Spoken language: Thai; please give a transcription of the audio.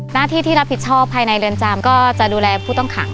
หน้าที่ที่รับผิดชอบภายในเรือนจำก็จะดูแลผู้ต้องขัง